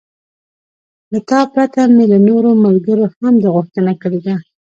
له تا پرته مې له نورو ملګرو هم دا غوښتنه کړې ده.